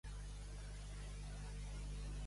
Si març marceja, al racó es pixa la vella.